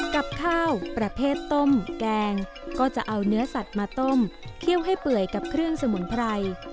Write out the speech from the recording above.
กับข้าวประเภทต้มแกงก็จะเอาเนื้อสัตว์มาต้มเคี่ยวให้เปื่อยกับเครื่องสมุนไพร